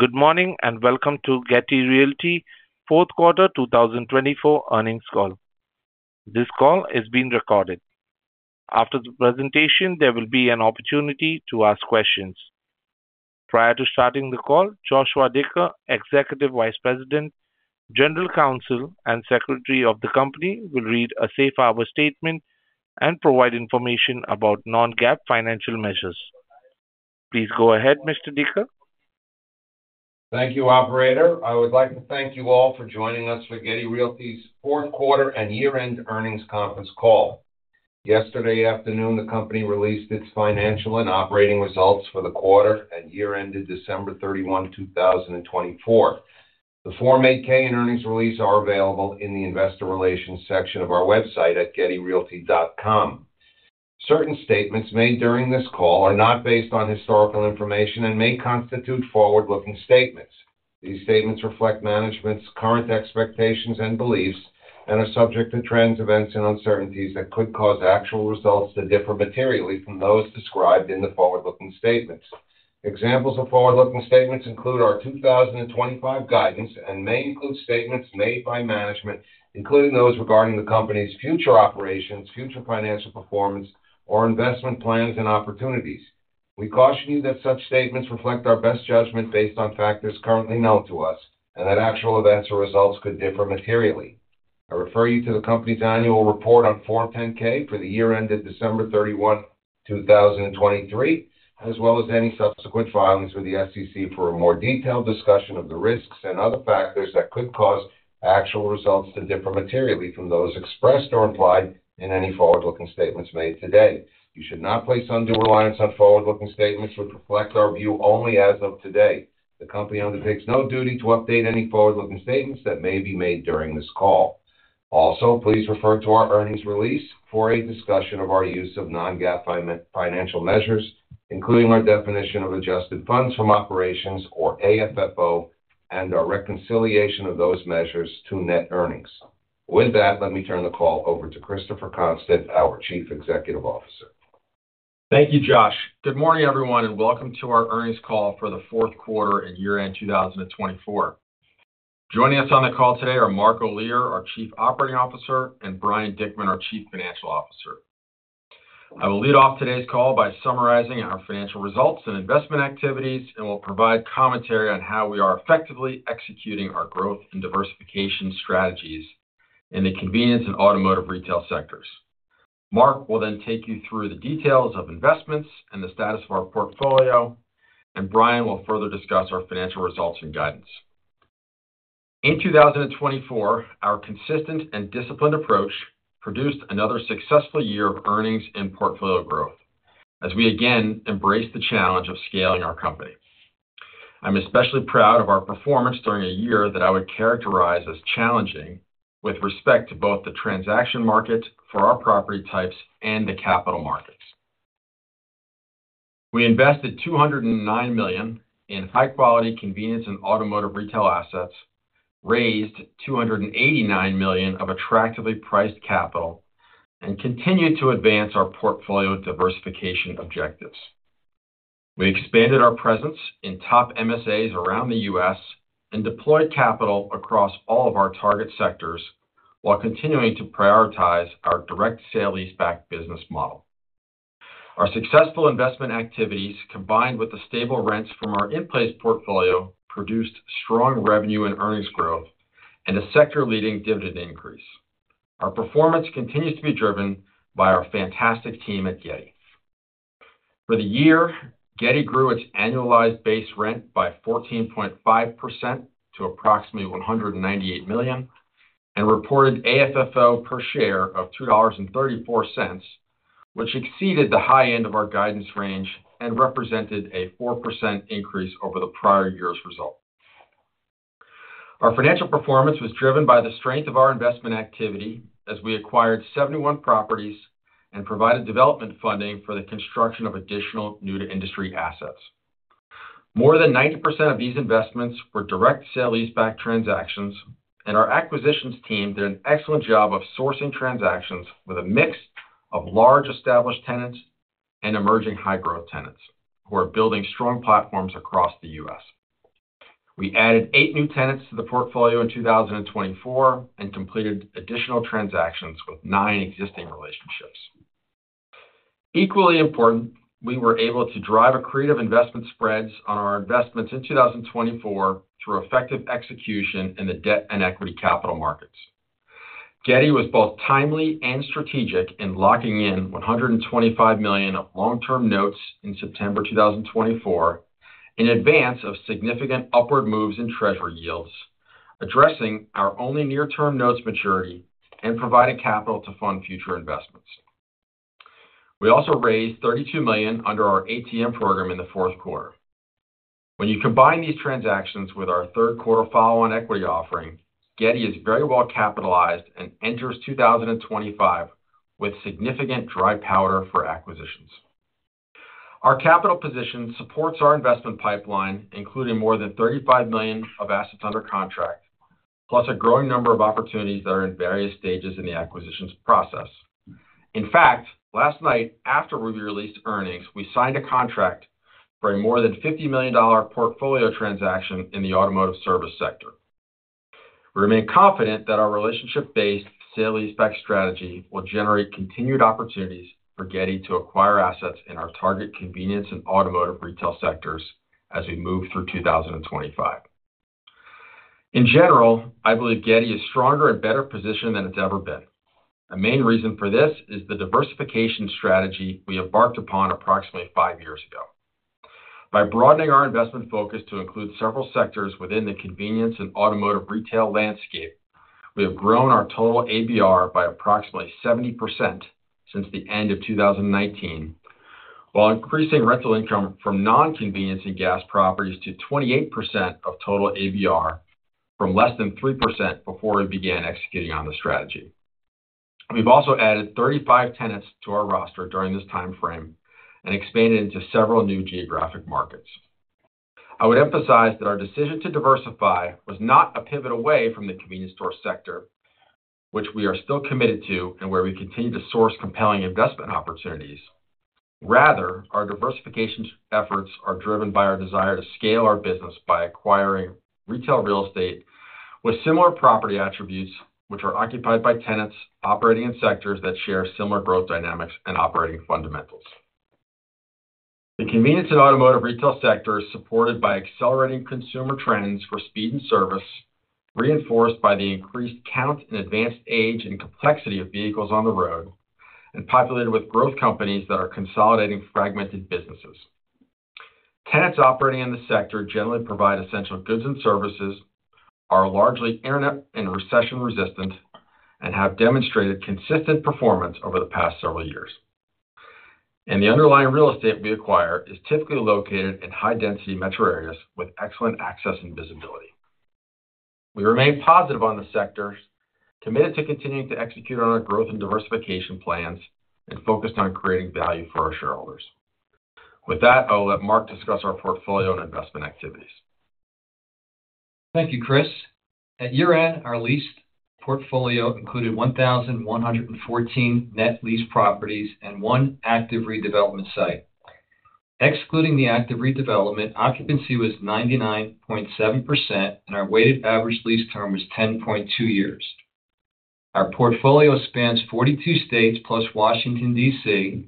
Good morning and welcome to Getty Realty's 4th Quarter 2024 earnings call. This call is being recorded. After the presentation, there will be an opportunity to ask questions. Prior to starting the call, Joshua Dicker, Executive Vice President, General Counsel, and Secretary of the Company, will read a safe harbor statement and provide information about non-GAAP financial measures. Please go ahead, Mr. Dicker. Thank you, Operator. I would like to thank you all for joining us for Getty Realty's 4th Quarter and Year-End Earnings Conference call. Yesterday afternoon, the Company re-leased its financial and operating results for the quarter and year-ended December 31, 2024. The 4Q and Earnings re-lease is available in the Investor Relations section of our website at gettyrealty.com. Certain statements made during this call are not based on historical information and may constitute forward-looking statements. These statements reflect management's current expectations and beliefs and are subject to trends, events, and uncertainties that could cause actual results to differ materially from those described in the forward-looking statements. Examples of forward-looking statements include our 2025 guidance and may include statements made by management, including those regarding the Company's future operations, future financial performance, or investment plans and opportunities. We caution you that such statements reflect our best judgment based on factors currently known to us and that actual events or results could differ materially. I refer you to the Company's annual report on Form 10-K for the year ended December 31, 2023, as well as any subsequent filings with the SEC for a more detailed discussion of the risks and other factors that could cause actual results to differ materially from those expressed or implied in any forward-looking statements made today. You should not place undue reliance on forward-looking statements which reflect our view only as of today. The Company undertakes no duty to update any forward-looking statements that may be made during this call. Also, please refer to our earnings release for a discussion of our use of non-GAAP financial measures, including our definition of adjusted funds from operations or AFFO, and our reconciliation of those measures to net earnings. With that, let me turn the call over to Christopher Constant, our Chief Executive Officer. Thank you, Josh. Good morning, everyone, and welcome to our earnings call for the 4th Quarter and Year-End 2024. Joining us on the call today are Mark Olear, our Chief Operating Officer, and Brian Dickman, our Chief Financial Officer. I will lead off today's call by summarizing our financial results and investment activities and will provide commentary on how we are effectively executing our growth and diversification strategies in the convenience and automotive retail sectors. Mark will then take you through the details of investments and the status of our portfolio, and Brian will further discuss our financial results and guidance. In 2024, our consistent and disciplined approach produced another successful year of earnings and portfolio growth as we again embraced the challenge of scaling our company. I'm especially proud of our performance during a year that I would characterize as challenging with respect to both the transaction market for our property types and the capital markets. We invested $209 million in high-quality convenience and automotive retail assets, raised $289 million of attractively priced capital, and continued to advance our portfolio diversification objectives. We expanded our presence in top MSAs around the U.S. and deployed capital across all of our target sectors while continuing to prioritize our direct sale lease-back business model. Our successful investment activities, combined with the stable rents from our in-place portfolio, produced strong revenue and earnings growth and a sector-leading dividend increase. Our performance continues to be driven by our fantastic team at Getty. For the year, Getty grew its annualized base rent by 14.5% to approximately $198 million and reported AFFO per share of $2.34, which exceeded the high end of our guidance range and represented a 4% increase over the prior year's result. Our financial performance was driven by the strength of our investment activity as we acquired 71 properties and provided development funding for the construction of additional new-to-industry assets. More than 90% of these investments were direct sale-leaseback transactions, and our acquisitions team did an excellent job of sourcing transactions with a mix of large established tenants and emerging high-growth tenants who are building strong platforms across the U.S. We added eight new tenants to the portfolio in 2024 and completed additional transactions with nine existing relationships. Equally important, we were able to drive accretive investment spreads on our investments in 2024 through effective execution in the debt and equity capital markets. Getty was both timely and strategic in locking in $125 million of long-term notes in September 2024 in advance of significant upward moves in treasury yields, addressing our only near-term notes maturity and providing capital to fund future investments. We also raised $32 million under our ATM program in the 4th Quarter. When you combine these transactions with our 3rd Quarter follow-on equity offering, Getty is very well capitalized and enters 2025 with significant dry powder for acquisitions. Our capital position supports our investment pipeline, including more than $35 million of assets under contract, plus a growing number of opportunities that are in various stages in the acquisitions process. In fact, last night, after we released earnings, we signed a contract for a more than $50 million portfolio transaction in the automotive service sector. We remain confident that our relationship-based sale-leaseback strategy will generate continued opportunities for Getty to acquire assets in our target convenience and automotive retail sectors as we move through 2025. In general, I believe Getty is stronger and better positioned than it's ever been. The main reason for this is the diversification strategy we embarked upon approximately five years ago. By broadening our investment focus to include several sectors within the convenience and automotive retail landscape, we have grown our total ABR by approximately 70% since the end of 2019, while increasing rental income from non-convenience and gas properties to 28% of total ABR from less than 3% before we began executing on the strategy. We've also added 35 tenants to our roster during this timeframe and expanded into several new geographic markets. I would emphasize that our decision to diversify was not a pivot away from the convenience store sector, which we are still committed to and where we continue to source compelling investment opportunities. Rather, our diversification efforts are driven by our desire to scale our business by acquiring retail real estate with similar property attributes, which are occupied by tenants operating in sectors that share similar growth dynamics and operating fundamentals. The convenience and automotive retail sector is supported by accelerating consumer trends for speed and service, reinforced by the increased count and advanced age and complexity of vehicles on the road, and populated with growth companies that are consolidating fragmented businesses. Tenants operating in the sector generally provide essential goods and services, are largely internet and recession resistant, and have demonstrated consistent performance over the past several years. And the underlying real estate we acquire is typically located in high-density metro areas with excellent access and visibility. We remain positive on the sector, committed to continuing to execute on our growth and diversification plans, and focused on creating value for our shareholders. With that, I will let Mark discuss our portfolio and investment activities. Thank you, Chris. At year-end, our lease portfolio included 1,114 net lease properties and one active redevelopment site. Excluding the active redevelopment, occupancy was 99.7%, and our weighted average lease term was 10.2 years. Our portfolio spans 42 states plus Washington, D.C.,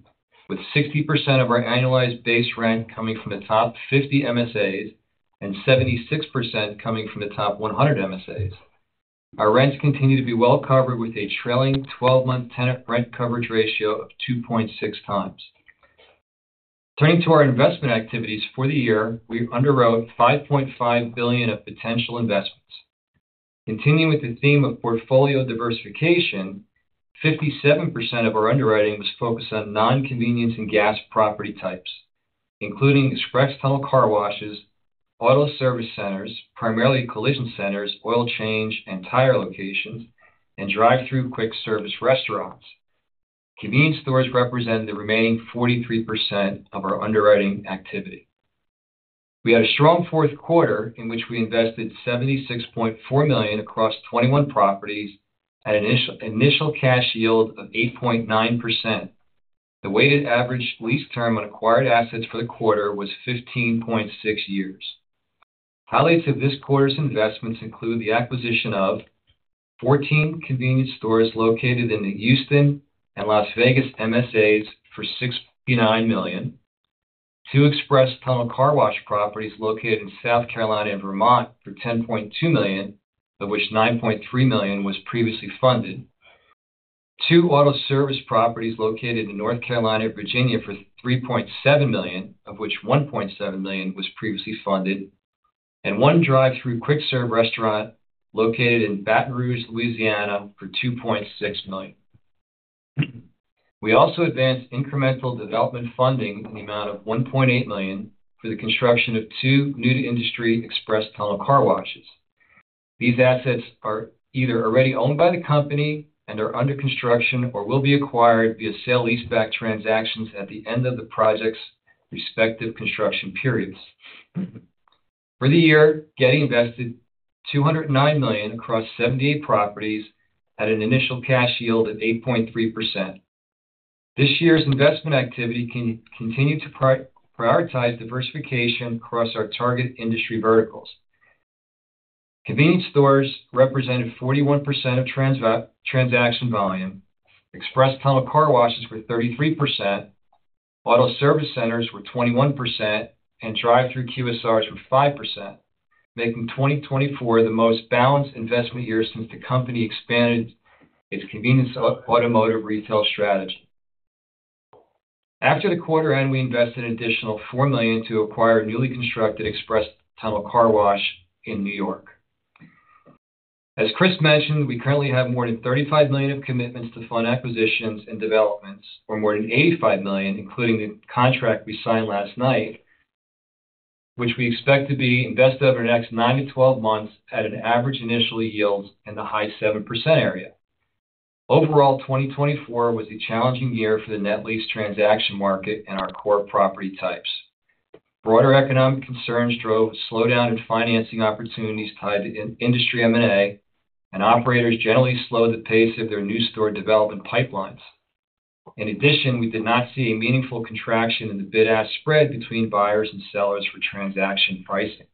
with 60% of our annualized base rent coming from the top 50 MSAs and 76% coming from the top 100 MSAs. Our rents continue to be well covered with a trailing 12-month tenant rent coverage ratio of 2.6 times. Turning to our investment activities for the year, we underwrote $5.5 billion of potential investments. Continuing with the theme of portfolio diversification, 57% of our underwriting was focused on non-convenience and gas property types, including express tunnel car washes, auto service centers, primarily collision centers, oil change and tire locations, and drive-through quick service restaurants. Convenience stores represented the remaining 43% of our underwriting activity. We had a strong 4th Quarter in which we invested $76.4 million across 21 properties at an initial cash yield of 8.9%. The weighted average lease term on acquired assets for the quarter was 15.6 years. Highlights of this quarter's investments include the acquisition of 14 convenience stores located in the Houston and Las Vegas MSAs for $6.9 million, two express tunnel car wash properties located in South Carolina and Vermont for $10.2 million, of which $9.3 million was previously funded, two auto service properties located in North Carolina and Virginia for $3.7 million, of which $1.7 million was previously funded, and one drive-through quick-service restaurant located in Baton Rouge, Louisiana, for $2.6 million. We also advanced incremental development funding in the amount of $1.8 million for the construction of two new-to-industry express tunnel car washes. These assets are either already owned by the Company and are under construction or will be acquired via sale-leaseback transactions at the end of the project's respective construction periods. For the year, Getty invested $209 million across 78 properties at an initial cash yield of 8.3%. This year's investment activity can continue to prioritize diversification across our target industry verticals. Convenience stores represented 41% of transaction volume, express tunnel car washes were 33%, auto service centers were 21%, and drive-through QSRs were 5%, making 2024 the most balanced investment year since the Company expanded its convenience automotive retail strategy. After the quarter end, we invested an additional $4 million to acquire a newly constructed express tunnel car wash in New York. As Chris mentioned, we currently have more than $35 million of commitments to fund acquisitions and developments, or more than $85 million, including the contract we signed last night, which we expect to be invested over the next nine to 12 months at an average initial yield in the high 7% area. Overall, 2024 was a challenging year for the net lease transaction market and our core property types. Broader economic concerns drove a slowdown in financing opportunities tied to industry M&A, and operators generally slowed the pace of their new store development pipelines. In addition, we did not see a meaningful contraction in the bid-ask spread between buyers and sellers for transaction pricing.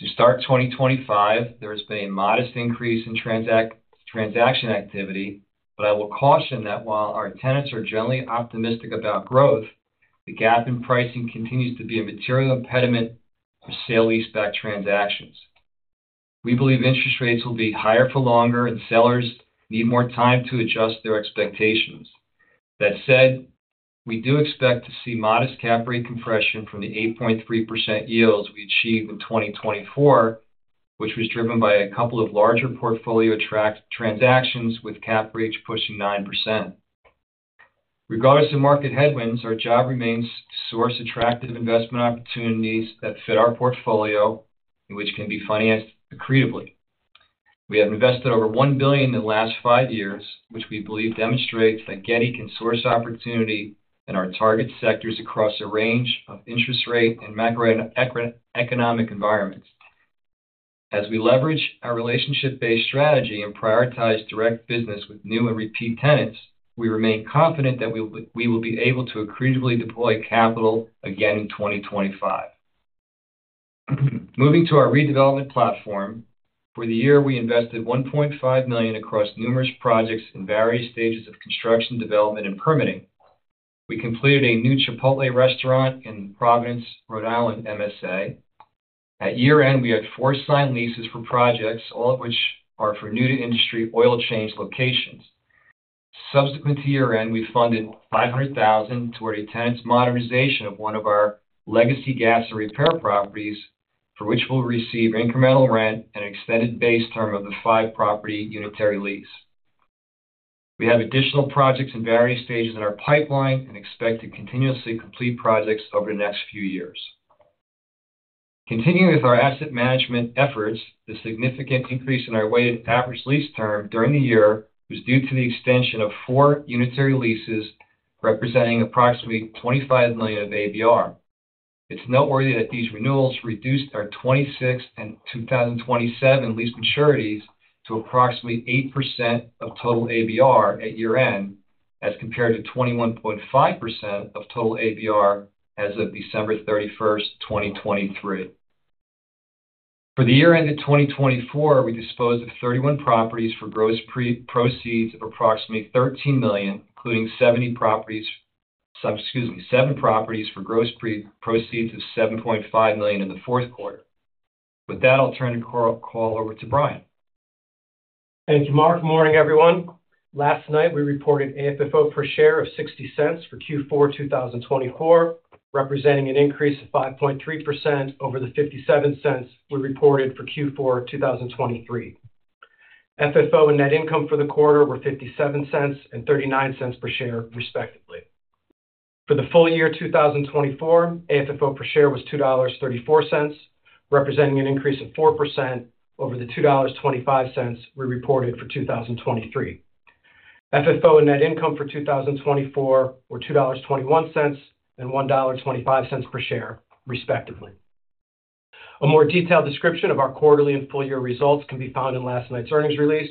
To start 2025, there has been a modest increase in transaction activity, but I will caution that while our tenants are generally optimistic about growth, the gap in pricing continues to be a material impediment for sale-leaseback transactions. We believe interest rates will be higher for longer, and sellers need more time to adjust their expectations. That said, we do expect to see modest cap rate compression from the 8.3% yields we achieved in 2024, which was driven by a couple of larger portfolio transactions with cap rates pushing 9%. Regardless of market headwinds, our job remains to source attractive investment opportunities that fit our portfolio, which can be financed accretively. We have invested over $1 billion in the last five years, which we believe demonstrates that Getty can source opportunity in our target sectors across a range of interest rate and macroeconomic environments. As we leverage our relationship-based strategy and prioritize direct business with new and repeat tenants, we remain confident that we will be able to accretively deploy capital again in 2025. Moving to our redevelopment platform, for the year, we invested $1.5 million across numerous projects in various stages of construction, development, and permitting. We completed a new Chipotle restaurant in Providence, Rhode Island, MSA. At year-end, we had four signed leases for projects, all of which are for new-to-industry oil change locations. Subsequent to year-end, we funded $500,000 toward a tenant's modernization of one of our legacy gas and repair properties, for which we'll receive incremental rent and an extended base term of the five-property unitary lease. We have additional projects in various stages in our pipeline and expect to continuously complete projects over the next few years. Continuing with our asset management efforts, the significant increase in our weighted average lease term during the year was due to the extension of four unitary leases representing approximately $25 million of ABR. It's noteworthy that these renewals reduced our 2026 and 2027 lease maturities to approximately 8% of total ABR at year-end, as compared to 21.5% of total ABR as of December 31, 2023. For the year-end of 2024, we disposed of 31 properties for gross proceeds of approximately $13 million, including 70 properties for gross proceeds of $7.5 million in the 4th Quarter. With that, I'll turn the call over to Brian. Thank you, Mark. Good morning, everyone. Last night, we reported an FFO per share of $0.60 for Q4 2024, representing an increase of 5.3% over the $0.57 we reported for Q4 2023. FFO and net income for the quarter were $0.57 and $0.39 per share, respectively. For the full year 2024, FFO per share was $2.34, representing an increase of 4% over the $2.25 we reported for 2023. FFO and net income for 2024 were $2.21 and $1.25 per share, respectively. A more detailed description of our quarterly and full-year results can be found in last night's earnings release,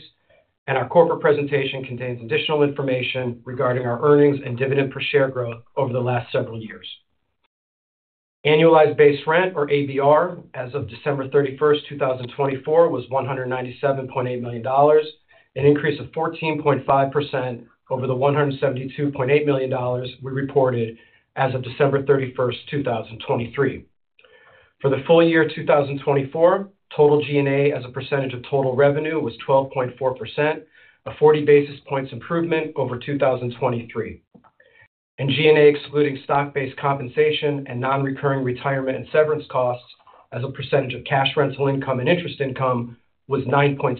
and our corporate presentation contains additional information regarding our earnings and dividend per share growth over the last several years. Annualized base rent, or ABR, as of December 31, 2024, was $197.8 million, an increase of 14.5% over the $172.8 million we reported as of December 31, 2023. For the full year 2024, total G&A as a percentage of total revenue was 12.4%, a 40 basis points improvement over 2023. G&A excluding stock-based compensation and non-recurring retirement and severance costs as a percentage of cash rental income and interest income was 9.6%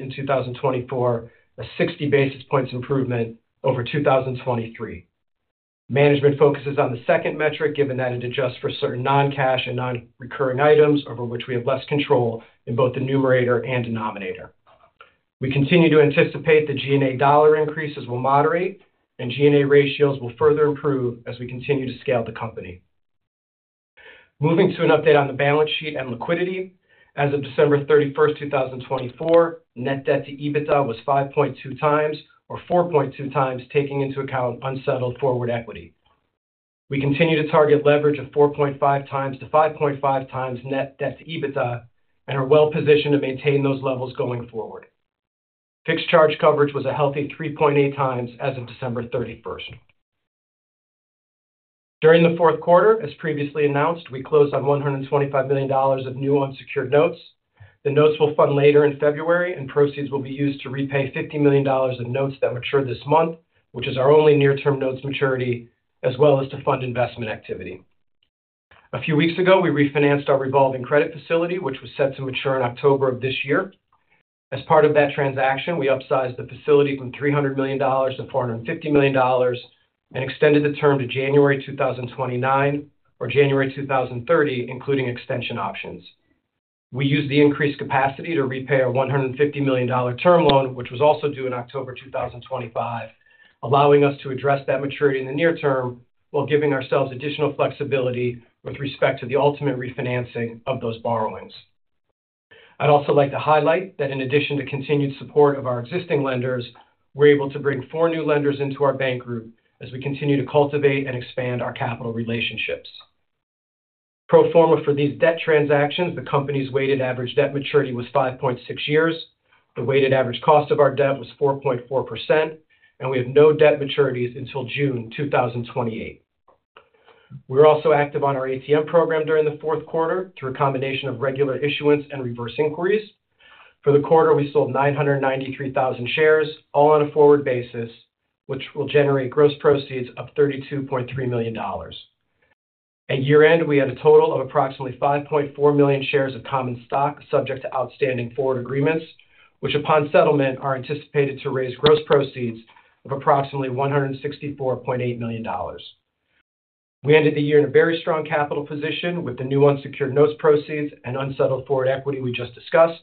in 2024, a 60 basis points improvement over 2023. Management focuses on the second metric, given that it adjusts for certain non-cash and non-recurring items over which we have less control in both the numerator and denominator. We continue to anticipate the G&A dollar increase as we'll moderate, and G&A ratios will further improve as we continue to scale the company. Moving to an update on the balance sheet and liquidity. As of December 31, 2024, net debt to EBITDA was 5.2 times, or 4.2 times, taking into account unsettled forward equity. We continue to target leverage of 4.5 times to 5.5 times net debt to EBITDA and are well positioned to maintain those levels going forward. Fixed charge coverage was a healthy 3.8 times as of December 31. During the 4th Quarter, as previously announced, we closed on $125 million of new unsecured notes. The notes will fund later in February, and proceeds will be used to repay $50 million of notes that mature this month, which is our only near-term notes maturity, as well as to fund investment activity. A few weeks ago, we refinanced our revolving credit facility, which was set to mature in October of this year. As part of that transaction, we upsized the facility from $300 million to $450 million and extended the term to January 2029, or January 2030, including extension options. We used the increased capacity to repay a $150 million term loan, which was also due in October 2025, allowing us to address that maturity in the near term while giving ourselves additional flexibility with respect to the ultimate refinancing of those borrowings. I'd also like to highlight that in addition to continued support of our existing lenders, we're able to bring four new lenders into our bank group as we continue to cultivate and expand our capital relationships. Pro forma for these debt transactions, the Company's weighted average debt maturity was 5.6 years. The weighted average cost of our debt was 4.4%, and we have no debt maturities until June 2028. We're also active on our ATM program during the 4th Quarter through a combination of regular issuance and reverse inquiries. For the quarter, we sold 993,000 shares, all on a forward basis, which will generate gross proceeds of $32.3 million. At year-end, we had a total of approximately 5.4 million shares of common stock subject to outstanding forward agreements, which upon settlement are anticipated to raise gross proceeds of approximately $164.8 million. We ended the year in a very strong capital position with the new unsecured notes proceeds and unsettled forward equity we just discussed,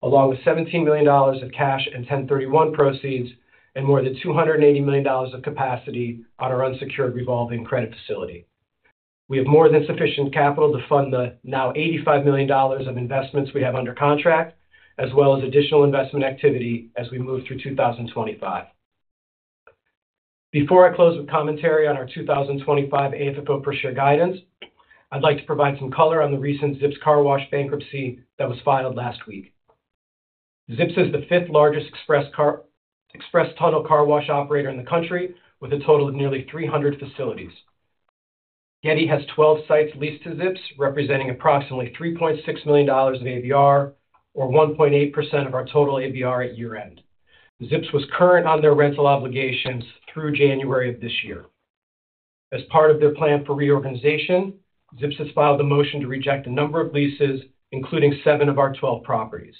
along with $17 million of cash and 1031 proceeds and more than $280 million of capacity on our unsecured revolving credit facility. We have more than sufficient capital to fund the now $85 million of investments we have under contract, as well as additional investment activity as we move through 2025. Before I close with commentary on our 2025 AFFO per share guidance, I'd like to provide some color on the recent ZIPS Car Wash bankruptcy that was filed last week. ZIPS is the fifth largest express tunnel car wash operator in the country, with a total of nearly 300 facilities. Getty has 12 sites leased to ZIPS, representing approximately $3.6 million of ABR, or 1.8% of our total ABR at year-end. ZIPS was current on their rental obligations through January of this year. As part of their plan for reorganization, ZIPS has filed a motion to reject a number of leases, including seven of our 12 properties.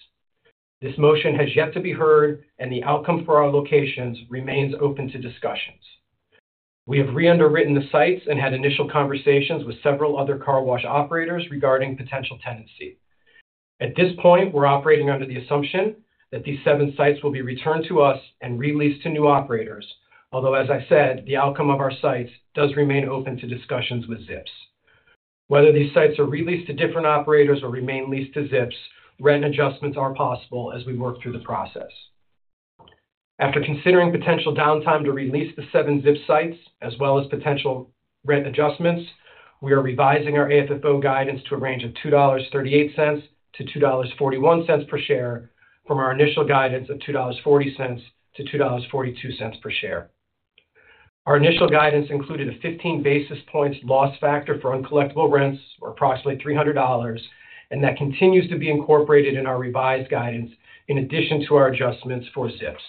This motion has yet to be heard, and the outcome for our locations remains open to discussions. We have re-underwritten the sites and had initial conversations with several other car wash operators regarding potential tenancy. At this point, we're operating under the assumption that these seven sites will be returned to us and re-leased to new operators, although, as I said, the outcome of our sites does remain open to discussions with Zips. Whether these sites are re-leased to different operators or remain leased to Zips, rent adjustments are possible as we work through the process. After considering potential downtime to re-lease the seven Zips sites, as well as potential rent adjustments, we are revising our AFFO guidance to a range of $2.38-$2.41 per share from our initial guidance of $2.40-$2.42 per share. Our initial guidance included a 15 basis points loss factor for uncollectible rents, or approximately $300, and that continues to be incorporated in our revised guidance in addition to our adjustments for Zips.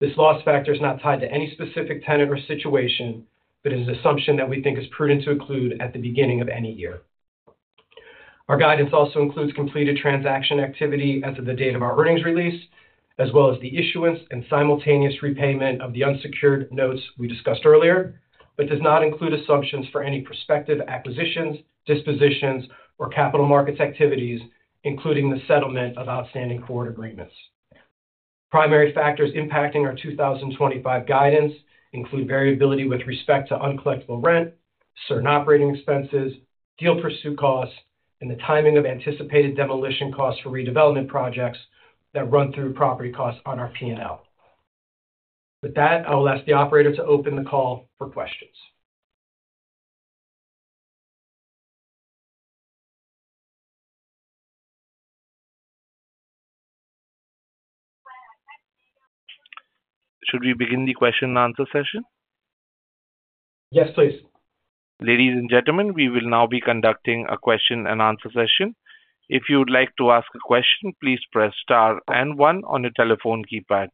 This loss factor is not tied to any specific tenant or situation, but is an assumption that we think is prudent to include at the beginning of any year. Our guidance also includes completed transaction activity as of the date of our earnings release, as well as the issuance and simultaneous repayment of the unsecured notes we discussed earlier, but does not include assumptions for any prospective acquisitions, dispositions, or capital markets activities, including the settlement of outstanding forward agreements. Primary factors impacting our 2025 guidance include variability with respect to uncollectible rent, certain operating expenses, deal pursuit costs, and the timing of anticipated demolition costs for redevelopment projects that run through property costs on our P&L. With that, I will ask the operator to open the call for questions. Should we begin the question and answer session? Yes, please. Ladies and gentlemen, we will now be conducting a question and answer session. If you would like to ask a question, please press Star and 1 on your telephone keypad.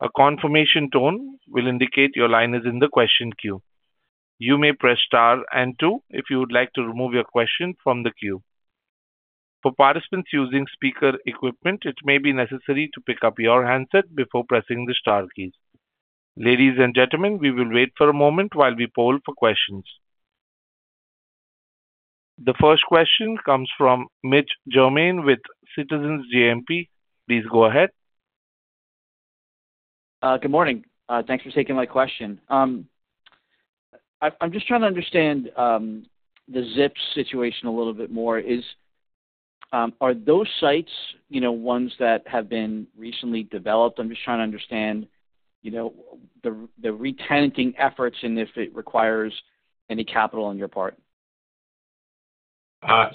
A confirmation tone will indicate your line is in the question queue. You may press Star and 2 if you would like to remove your question from the queue. For participants using speaker equipment, it may be necessary to pick up your handset before pressing the Star keys. Ladies and gentlemen, we will wait for a moment while we poll for questions. The first question comes from Mitch Germain with Citizens JMP. Please go ahead. Good morning. Thanks for taking my question. I'm just trying to understand the Zips situation a little bit more. Are those sites ones that have been recently developed? I'm just trying to understand the retenting efforts and if it requires any capital on your part.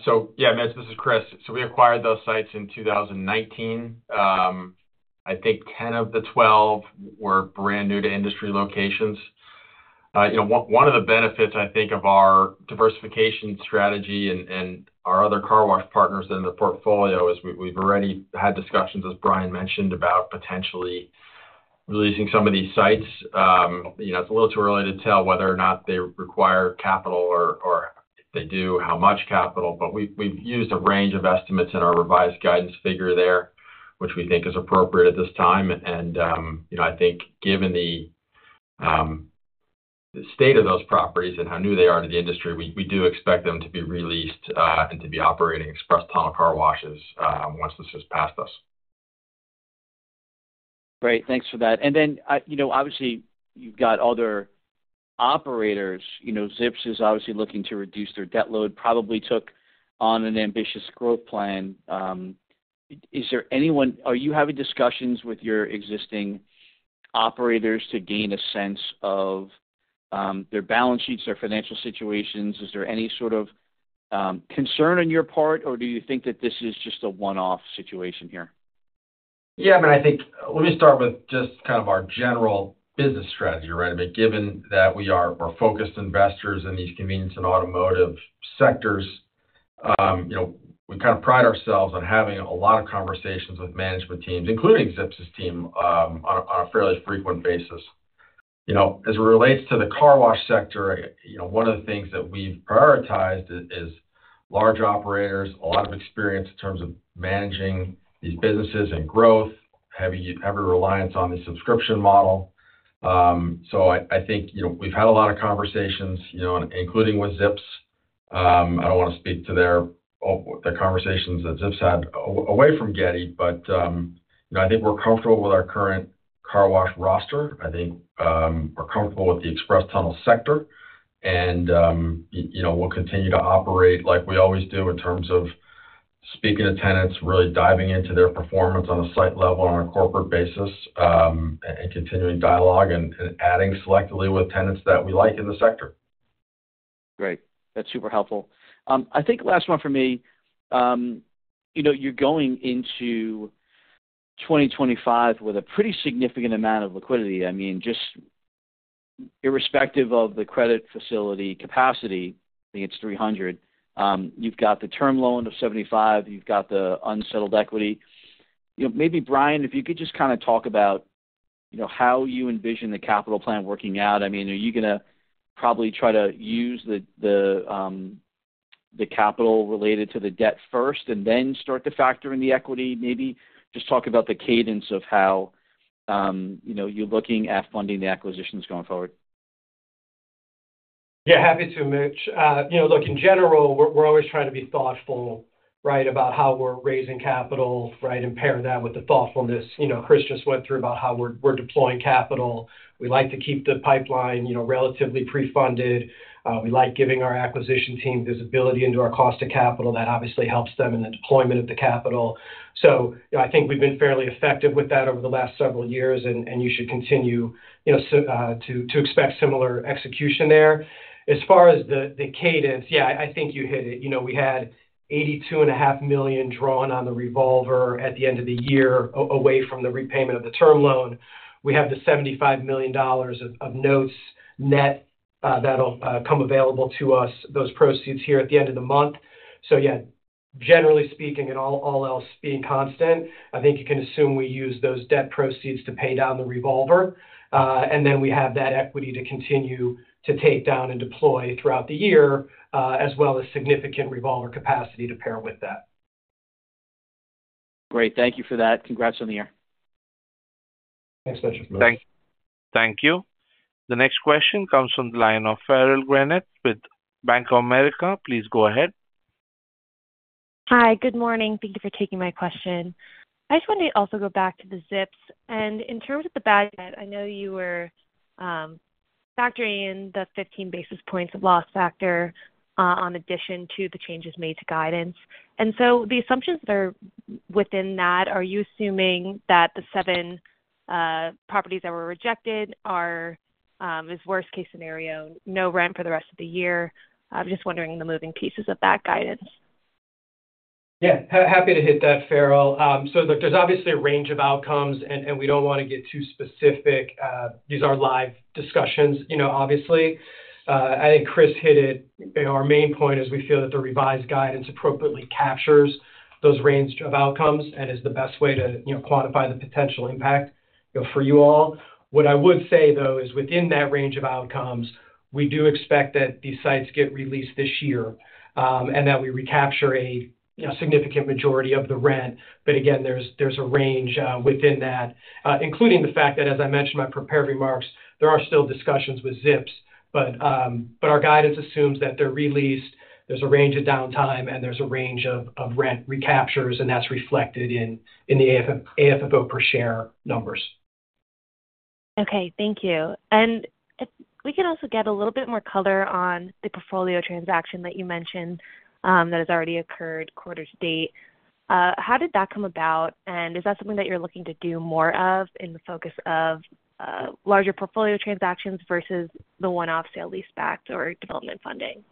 So, yeah, Mitch, this is Chris. So we acquired those sites in 2019. I think 10 of the 12 were brand new to industry locations. One of the benefits, I think, of our diversification strategy and our other car wash partners in the portfolio is we've already had discussions, as Brian mentioned, about potentially re-leasing some of these sites. It's a little too early to tell whether or not they require capital or, if they do, how much capital, but we've used a range of estimates in our revised guidance figure there, which we think is appropriate at this time. And I think, given the state of those properties and how new they are to the industry, we do expect them to be released and to be operating express tunnel car washes once this is past us. Great. Thanks for that. And then, obviously, you've got other operators. Zips is obviously looking to reduce their debt load, probably took on an ambitious growth plan. Are you having discussions with your existing operators to gain a sense of their balance sheets, their financial situations? Is there any sort of concern on your part, or do you think that this is just a one-off situation here? Yeah, I mean, I think let me start with just kind of our general business strategy, right? I mean, given that we are focused investors in these convenience and automotive sectors, we kind of pride ourselves on having a lot of conversations with management teams, including Zips' team, on a fairly frequent basis. As it relates to the car wash sector, one of the things that we've prioritized is large operators, a lot of experience in terms of managing these businesses and growth, heavy reliance on the subscription model. So I think we've had a lot of conversations, including with Zips. I don't want to speak to their conversations that Zips had away from Getty, but I think we're comfortable with our current car wash roster. I think we're comfortable with the express tunnel sector, and we'll continue to operate like we always do in terms of speaking to tenants, really diving into their performance on a site level, on a corporate basis, and continuing dialogue and adding selectively with tenants that we like in the sector. Great. That's super helpful. I think last one for me. You're going into 2025 with a pretty significant amount of liquidity. I mean, just irrespective of the credit facility capacity, I think it's $300 million. You've got the term loan of $75 million. You've got the unsettled equity. Maybe, Brian, if you could just kind of talk about how you envision the capital plan working out. I mean, are you going to probably try to use the capital related to the debt first and then start to factor in the equity? Maybe just talk about the cadence of how you're looking at funding the acquisitions going forward. Yeah, happy to, Mitch. Look, in general, we're always trying to be thoughtful, right, about how we're raising capital, right, and pair that with the thoughtfulness. Chris just went through about how we're deploying capital. We like to keep the pipeline relatively pre-funded. We like giving our acquisition team visibility into our cost of capital. That obviously helps them in the deployment of the capital. So I think we've been fairly effective with that over the last several years, and you should continue to expect similar execution there. As far as the cadence, yeah, I think you hit it. We had $82.5 million drawn on the revolver at the end of the year away from the repayment of the term loan. We have the $75 million of notes net that'll come available to us, those proceeds here at the end of the month. So, yeah, generally speaking, and all else being constant, I think you can assume we use those debt proceeds to pay down the revolver. And then we have that equity to continue to take down and deploy throughout the year, as well as significant revolver capacity to pair with that. Great. Thank you for that. Congrats on the year. Thanks, Mitch. Thank you. The next question comes from Farrell Granath with Bank of America. Please go ahead. Hi, good morning. Thank you for taking my question. I just wanted to also go back to the Zips. In terms of the bad debt, I know you were factoring in the 15 basis points of loss factor in addition to the changes made to guidance. So the assumptions that are within that, are you assuming that the seven properties that were rejected are, as a worst-case scenario, no rent for the rest of the year? I'm just wondering the moving pieces of that guidance. Yeah, happy to hit that, Farrell. So, look, there's obviously a range of outcomes, and we don't want to get too specific. These are live discussions, obviously. I think Chris hit it. Our main point is we feel that the revised guidance appropriately captures those range of outcomes and is the best way to quantify the potential impact for you all. What I would say, though, is within that range of outcomes, we do expect that these sites get released this year and that we recapture a significant majority of the rent. But again, there's a range within that, including the fact that, as I mentioned in my prepared remarks, there are still discussions with Zips, but our guidance assumes that they're released, there's a range of downtime, and there's a range of rent recaptures, and that's reflected in the AFFO per share numbers. Okay. Thank you and we can also get a little bit more color on the portfolio transaction that you mentioned that has already occurred quarter to date. How did that come about and is that something that you're looking to do more of in the focus of larger portfolio transactions versus the one-off sale-leaseback or development funding?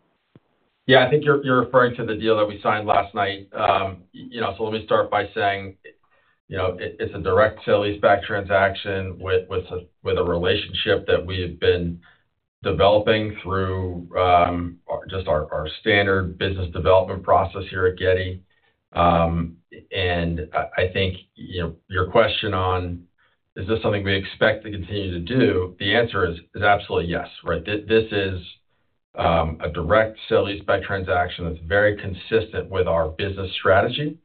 Yeah, I think you're referring to the deal that we signed last night. So let me start by saying it's a direct sale-leaseback transaction with a relationship that we've been developing through just our standard business development process here at Getty. And I think your question on, "Is this something we expect to continue to do?" The answer is absolutely yes, right? This is a direct sale-leaseback transaction that's very consistent with our business strategy.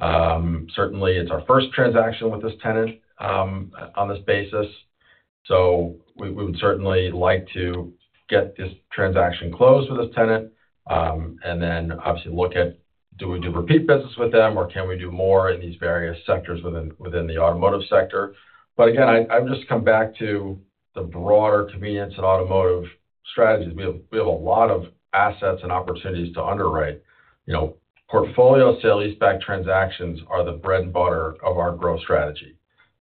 Certainly, it's our first transaction with this tenant on this basis. So we would certainly like to get this transaction closed with this tenant and then obviously look at, "Do we do repeat business with them, or can we do more in these various sectors within the automotive sector?" But again, I would just come back to the broader convenience and automotive strategies. We have a lot of assets and opportunities to underwrite. Portfolio sale-leaseback transactions are the bread and butter of our growth strategy,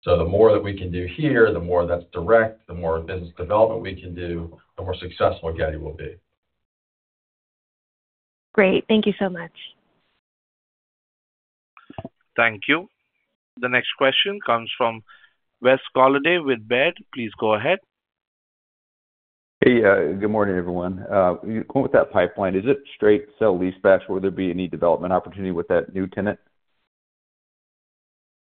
so the more that we can do here, the more that's direct, the more business development we can do, the more successful Getty will be. Great. Thank you so much. Thank you. The next question comes from Wes Golladay with Baird. Please go ahead. Hey, good morning, everyone. Going with that pipeline, is it straight sale-leaseback? Will there be any development opportunity with that new tenant?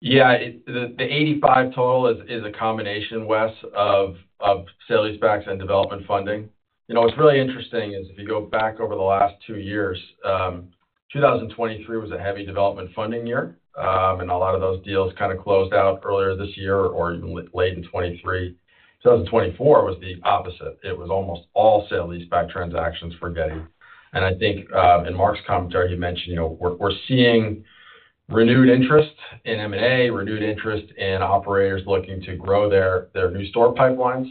Yeah. The 85 total is a combination, Wes, of sale-leasebacks and development funding. What's really interesting is if you go back over the last two years, 2023 was a heavy development funding year, and a lot of those deals kind of closed out earlier this year or even late in 2023. 2024 was the opposite. It was almost all sale-leaseback transactions for Getty. And I think in Mark's commentary, he mentioned we're seeing renewed interest in M&A, renewed interest in operators looking to grow their new store pipelines.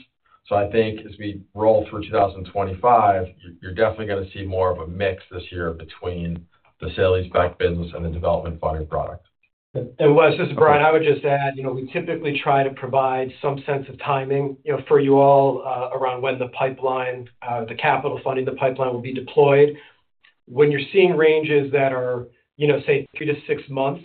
So I think as we roll through 2025, you're definitely going to see more of a mix this year between the sale-leaseback business and the development funding product. Wes, this is Brian. I would just add we typically try to provide some sense of timing for you all around when the capital funding pipeline will be deployed. When you're seeing ranges that are, say, three to six months,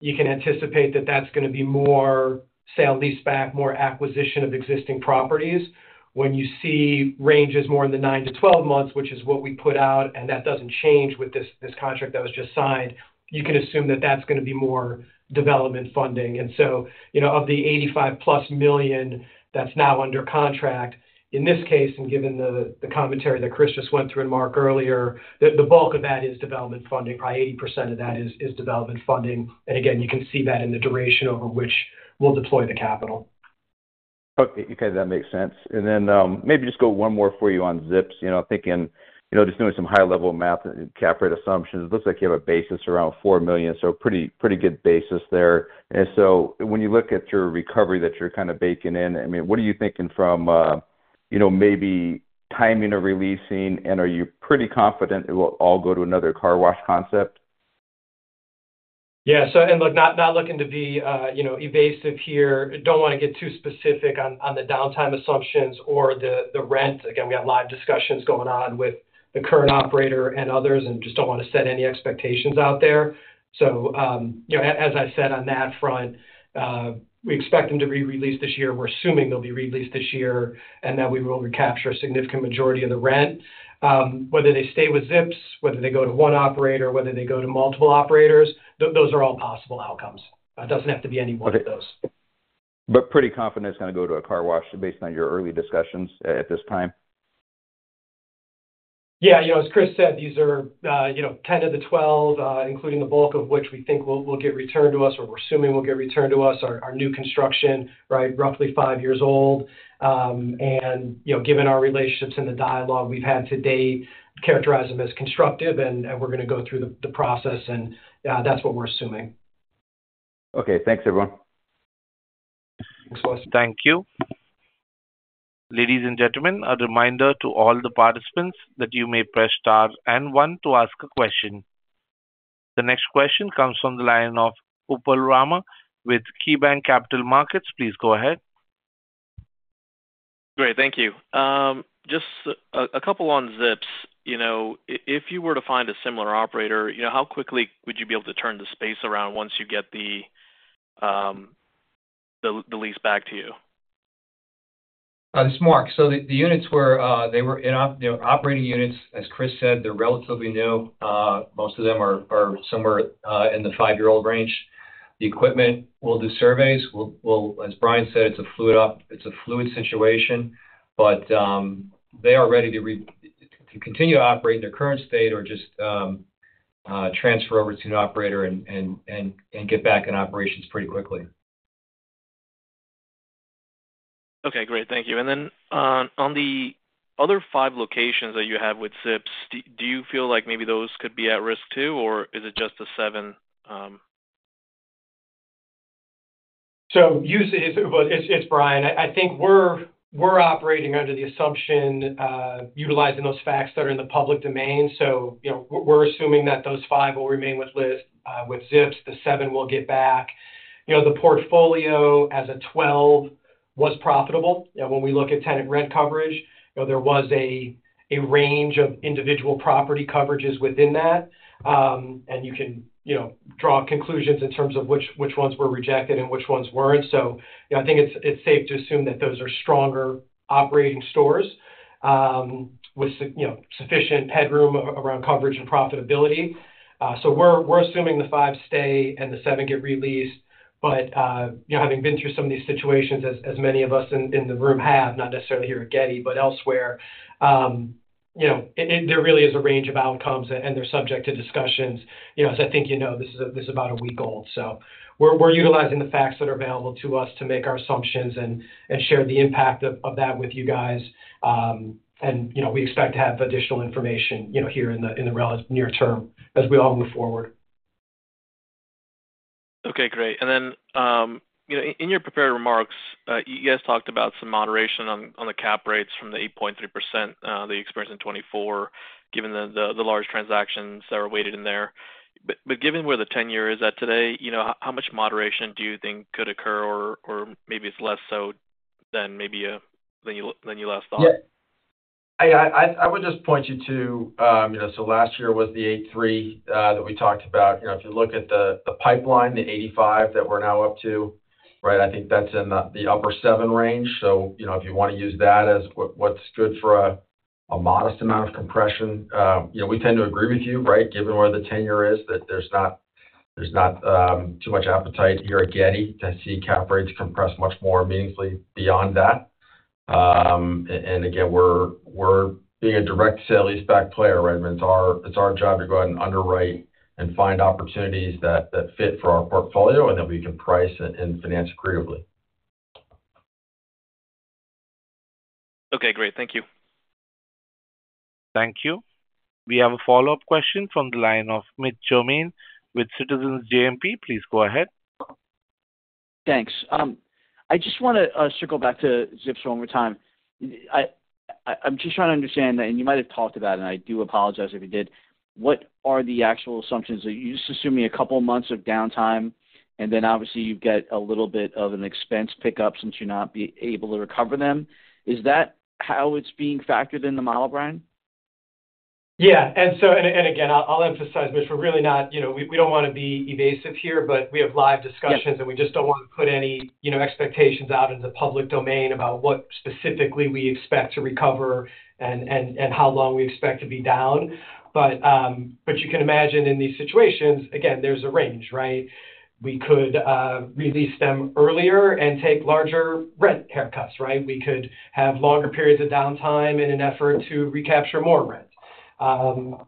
you can anticipate that that's going to be more sale-leaseback, more acquisition of existing properties. When you see ranges more in the 9 to 12 months, which is what we put out, and that doesn't change with this contract that was just signed, you can assume that that's going to be more development funding. So of the $85 million-plus that's now under contract, in this case, and given the commentary that Chris just went through and Mark earlier, the bulk of that is development funding. Probably 80% of that is development funding. And again, you can see that in the duration over which we'll deploy the capital. Okay. That makes sense. And then maybe just go one more for you on ZIPS. Thinking, just doing some high-level math and calculate assumptions, it looks like you have a basis around $4 million, so a pretty good basis there. And so when you look at your recovery that you're kind of baking in, I mean, what are you thinking from maybe timing of releasing, and are you pretty confident it will all go to another car wash concept? Yeah. And look, not looking to be evasive here. Don't want to get too specific on the downtime assumptions or the rent. Again, we have live discussions going on with the current operator and others, and just don't want to set any expectations out there. So as I said on that front, we expect them to be released this year. We're assuming they'll be released this year, and that we will recapture a significant majority of the rent. Whether they stay with Zips, whether they go to one operator, whether they go to multiple operators, those are all possible outcomes. It doesn't have to be any one of those. But pretty confident it's going to go to a car wash based on your early discussions at this time? Yeah. As Chris said, these are 10 of the 12, including the bulk of which we think will get returned to us, or we're assuming will get returned to us, are new construction, right, roughly five years old, and given our relationships and the dialogue we've had to date, characterize them as constructive, and we're going to go through the process, and that's what we're assuming. Okay. Thanks, everyone. Thanks, Wes. Thank you. Ladies and gentlemen, a reminder to all the participants that you may press star and one to ask a question. The next question comes from the line of Upal Rana with KeyBanc Capital Markets. Please go ahead. Great. Thank you. Just a couple on Zips. If you were to find a similar operator, how quickly would you be able to turn the space around once you get the lease back to you? This is Mark. The units, they were operating units, as Chris said, they're relatively new. Most of them are somewhere in the five-year-old range. The equipment, we'll do surveys. As Brian said, it's a fluid situation, but they are ready to continue to operate in their current state or just transfer over to an operator and get back in operations pretty quickly. Okay. Great. Thank you, and then on the other five locations that you have with Zips, do you feel like maybe those could be at risk too, or is it just the seven? It's Brian. I think we're operating under the assumption utilizing those facts that are in the public domain. We're assuming that those five will remain with Zips. The seven will get back. The portfolio as a 12 was profitable. When we look at tenant rent coverage, there was a range of individual property coverages within that, and you can draw conclusions in terms of which ones were rejected and which ones weren't. I think it's safe to assume that those are stronger operating stores with sufficient headroom around coverage and profitability. We're assuming the five stay and the seven get released. Having been through some of these situations, as many of us in the room have, not necessarily here at Getty, but elsewhere, there really is a range of outcomes, and they're subject to discussions. As I think you know, this is about a week old, so we're utilizing the facts that are available to us to make our assumptions and share the impact of that with you guys, and we expect to have additional information here in the near term as we all move forward. Okay. Great. And then in your prepared remarks, you guys talked about some moderation on the cap rates from the 8.3% that you experienced in 2024, given the large transactions that were weighted in there. But given where the ten-year is at today, how much moderation do you think could occur, or maybe it's less so than maybe you last thought? Yeah. I would just point you to so last year was the 8.3 that we talked about. If you look at the pipeline, the 85 that we're now up to, right, I think that's in the upper seven range. So if you want to use that as what's good for a modest amount of compression, we tend to agree with you, right? Given where the 10-year is, there's not too much appetite here at Getty to see cap rates compress much more meaningfully beyond that. And again, we're being a direct sale lease-back player, right? I mean, it's our job to go out and underwrite and find opportunities that fit for our portfolio and that we can price and finance agreeably. Okay. Great. Thank you. Thank you. We have a follow-up question from the line of Mitch Germain with Citizens JMP. Please go ahead. Thanks. I just want to circle back to Zips one more time. I'm just trying to understand, and you might have talked about it, and I do apologize if you did. What are the actual assumptions? You just assume a couple of months of downtime, and then obviously you get a little bit of an expense pickup since you're not able to recover them. Is that how it's being factored in the model, Brian? Yeah, and again, I'll emphasize, Mitch, we're really not, we don't want to be evasive here, but we have live discussions, and we just don't want to put any expectations out into the public domain about what specifically we expect to recover and how long we expect to be down, but you can imagine in these situations, again, there's a range, right? We could release them earlier and take larger rent haircuts, right? We could have longer periods of downtime in an effort to recapture more rent.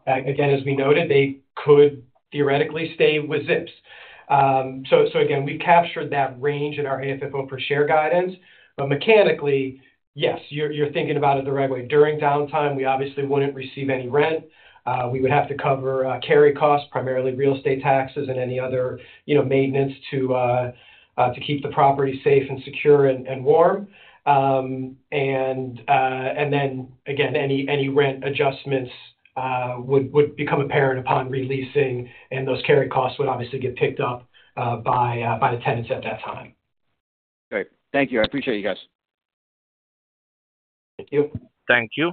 Again, as we noted, they could theoretically stay with Zips. So again, we captured that range in our AFFO per share guidance. But mechanically, yes, you're thinking about it the right way. During downtime, we obviously wouldn't receive any rent. We would have to cover carry costs, primarily real estate taxes and any other maintenance to keep the property safe and secure and warm. And then, again, any rent adjustments would become apparent upon releasing, and those carry costs would obviously get picked up by the tenants at that time. Great. Thank you. I appreciate you guys. Thank you. Thank you.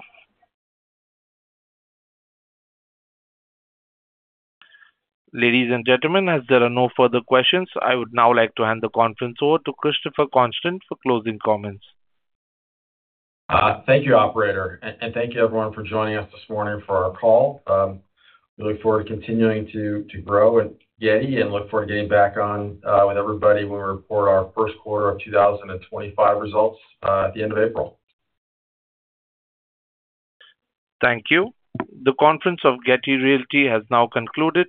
Ladies and gentlemen, as there are no further questions, I would now like to hand the conference over to Christopher Constant for closing comments. Thank you, operator. And thank you, everyone, for joining us this morning for our call. We look forward to continuing to grow at Getty and look forward to getting back on with everybody when we report our first quarter of 2025 results at the end of April. Thank you. The conference call of Getty Realty has now concluded.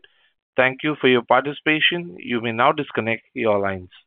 Thank you for your participation. You may now disconnect your lines.